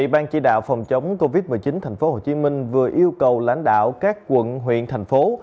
ban chỉ đạo phòng chống covid một mươi chín tp hcm vừa yêu cầu lãnh đạo các quận huyện thành phố